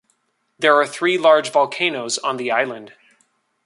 There are three large volcanoes on the island.